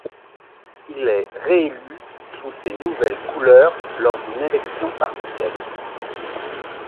Il est réélu sous ces nouvelles couleurs lors d'une élection partielle.